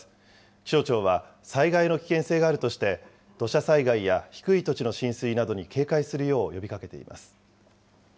気象庁は災害の危険性があるとして、土砂災害や低い土地の浸水などに警戒するよう呼びかけています。